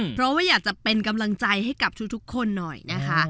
เพราะว่าอยากจะเป็นกำลังใจให้กับทุกคนหน่อยนะคะ